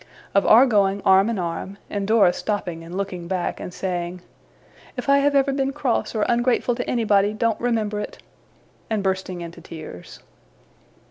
Of our going, arm in arm, and Dora stopping and looking back, and saying, 'If I have ever been cross or ungrateful to anybody, don't remember it!' and bursting into tears.